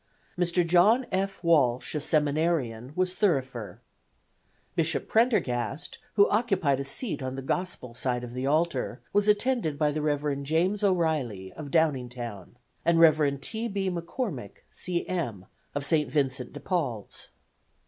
Mr. John F. Walsh, a seminarian, was thurifer. Bishop Prendergast, who occupied a seat on the Gospel side of the altar, was attended by Rev. James O'Reilly, of Downingtown, and Rev. T. B. McCormick, C. M., of St. Vincent de Paul's.